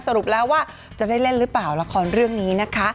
สรุปแล้วว่าจะได้เล่นหรือเปล่าละครเรื่องนี้นะคะ